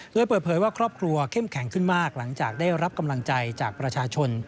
โดยเปิดเผยว่าครอบครัวเข้มแข็งขึ้นมากหลังจากได้รับกำลังใจจากประชาชน